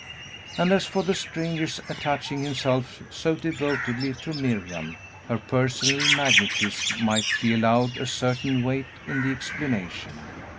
And, as for the stranger's attaching himself so devotedly to Miriam, her personal magnetism might be allowed a certain weight in the explanation.